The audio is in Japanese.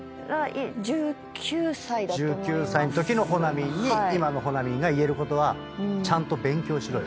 １９歳のときのほなみんに今のほなみんが言えることは「ちゃんと勉強しろよ」